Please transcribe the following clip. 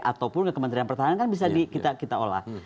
ataupun ke kementerian pertahanan kan bisa kita olah